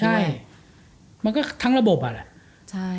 ใช่มันก็ทั้งระบบอ่ะแหละ